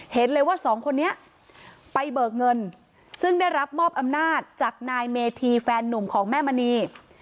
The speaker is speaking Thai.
เห็นเลยว่าสองคนนี้ไปเบิกเงินซึ่งได้รับมอบอำนาจจากนายเมธีแฟนนุ่มของแม่มณี